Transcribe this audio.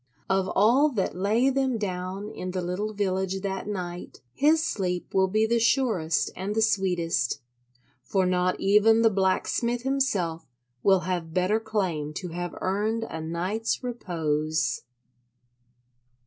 Of all that lay them down in the little village that night, his sleep will be the surest and the sweetest. For not even the blacksmith himself will have better claim to have earned a night's repose.